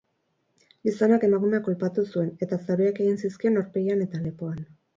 Gizonak emakumea kolpatu zuen, eta zauriak egin zizkion aurpegian eta lepoan.